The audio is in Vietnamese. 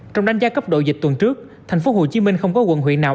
trong đánh giá cấp độ dịch tuần trước thành phố hồ chí minh không có quận huyện nào